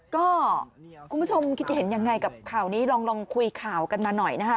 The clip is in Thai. ก็คุณผู้ชมคิดเห็นยังไงกับข่าวนี้ลองคุยข่าวกันมาหน่อยนะคะ